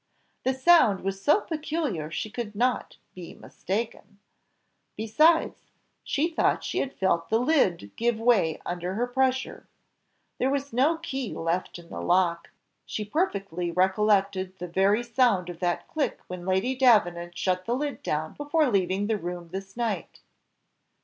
The sound was so peculiar she could not be mistaken; besides, she thought she had felt the lid give way under her pressure. There was no key left in the lock she perfectly recollected the very sound of that click when Lady Davenant shut the lid down before leaving the room this night.